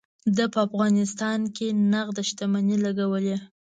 ده په افغانستان کې نغده شتمني لګولې.